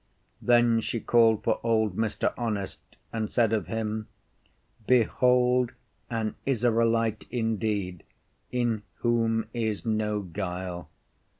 Then she called for old Mr. Honest and said of him, Behold an Israelite indeed, in whom is no guile.